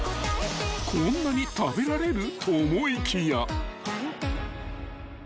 ［こんなに食べられる？と思いきや］